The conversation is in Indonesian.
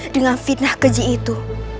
dengan fitnah keji itu